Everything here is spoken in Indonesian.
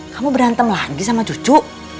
kamu berantem lagi sama cucu